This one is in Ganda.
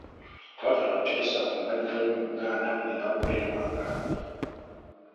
Twatuula ne tuteesa ku mpandiika y'olulimi Oluganda eneegobererwanga.